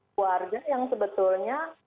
keluarga yang sebetulnya